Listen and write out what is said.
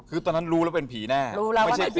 คือตอนนั้นรู้แล้วเป็นผีแน่ไม่ใช่คนแล้ว